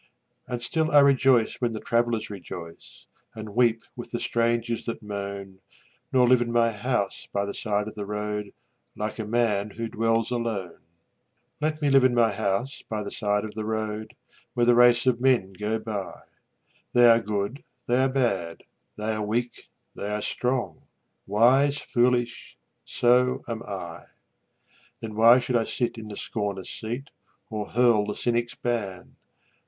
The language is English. And still I rejoice when the travelers rejoice And weep with the strangers that moan, Nor live in my house by the side of the road Like a man who dwells alone. Let me live in my house by the side of the road, Where the race of men go by They are good, they are bad, they are weak, they are strong, Wise, foolish so am I. Then why should I sit in the scorner's seat, Or hurl the cynic's ban?